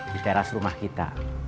di teras rumah kita